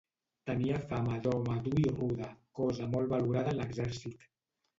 Tenia fama d'home dur i rude, cosa molt valorada a l'exèrcit.